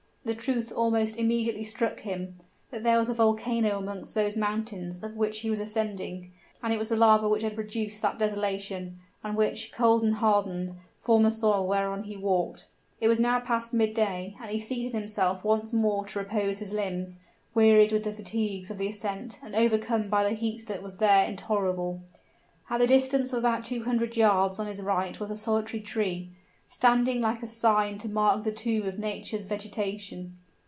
The truth almost immediately struck him: there was a volcano amongst those mountains up which he was ascending; and it was the lava which had produced that desolation, and which, cold and hardened, formed the soil whereon he walked. It was now past midday; and he seated himself once more to repose his limbs, wearied with the fatigues of the ascent and overcome by the heat that was there intolerable. At the distance of about two hundred yards on his right was a solitary tree, standing like a sign to mark the tomb of nature's vegetation.